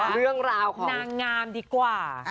เรื่องราวของนางงามดีกว่า